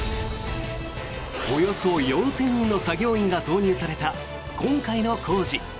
およそ４０００人の作業員が投入された今回の工事。